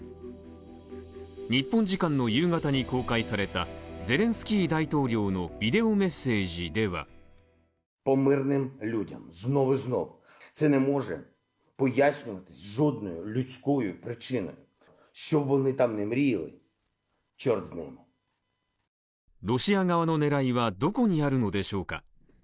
日本時間の夕方に公開されたゼレンスキー大統領のビデオメッセージではロシア側の狙いはどこにあるのでしょうか。